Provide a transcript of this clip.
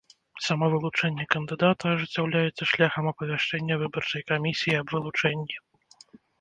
Самавылучэнне кандыдата ажыццяўляецца шляхам апавяшчэння выбарчай камісіі аб вылучэнні.